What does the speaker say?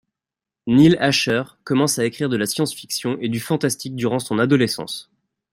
Neal Asher commence à écrire de la science-fiction et du fantastique durant son adolescence.